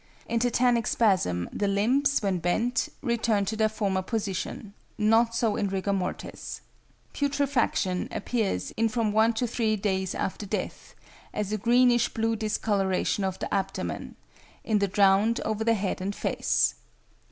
In tetanic spasm the limbs when bent return to their former position; not so in rigor mortis. =Putrefaction= appears in from one to three days after death, as a greenish blue discoloration of the abdomen; in the drowned, over the head and face.